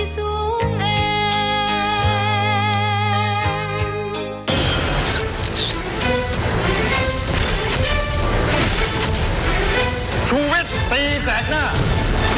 สวัสดีครับ